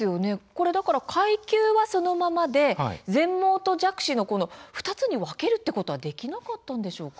階級はそのままで全盲と弱視の２つに分けるということはできなかったんでしょうか。